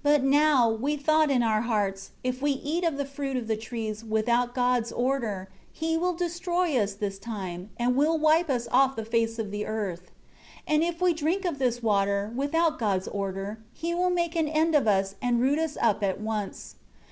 21 But now, we thought in our hearts, if we eat of the fruit of the trees, without God's order, He will destroy us this time, and will wipe us off from the face of the earth. 22 And if we drink of this water, without God's order, He will make an end of us and root us up at once.